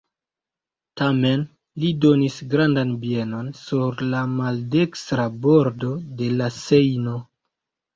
Tamen li donis grandan bienon sur la maldekstra bordo de la Sejno.